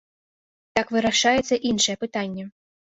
Так вырашаецца іншае пытанне.